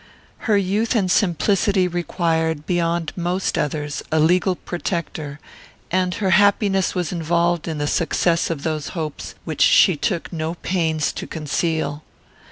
Her youth and simplicity required, beyond most others, a legal protector, and her happiness was involved in the success of those hopes which she took no pains to conceal.